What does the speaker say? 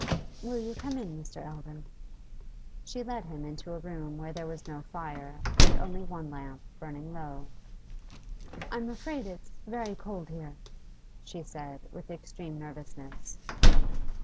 'Will you come in, Mr. Eldon?' She led him into a room where there was no fire, and only one lamp burning low. 'I'm afraid it's very cold here,' she said, with extreme nervousness.